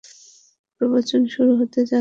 প্রবোচন শুরু হতে যাচ্ছে।